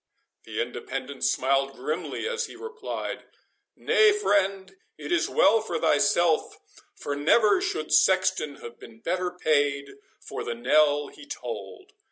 The Independent smiled grimly as he replied, "Nay, friend, it is well for thyself, for never should sexton have been better paid for the knell he tolled.